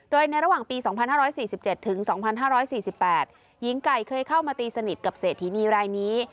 โดยในระหว่างปี๒๕๔๗ถึง๒๕๔๘หญิงไก่เคยเข้ามาตีสนิทกับเศรษฐีนีรายนี้